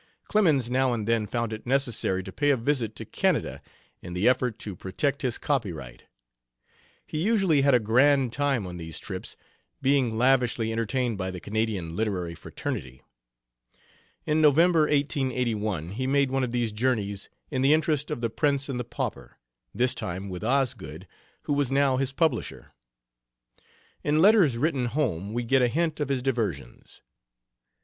Clemens now and then found it necessary to pay a visit to Canada in the effort to protect his copyright. He usually had a grand time on these trips, being lavishly entertained by the Canadian literary fraternity. In November, 1881, he made one of these journeys in the interest of The Prince and the Pauper, this time with Osgood, who was now his publisher. In letters written home we get a hint of his diversions.